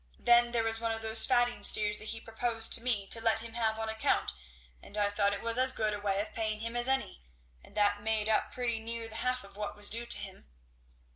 and then there was one of those fatting steers that he proposed to me to let him have on account, and I thought it was as good a way of paying him as any; and that made up pretty near the half of what was due to him."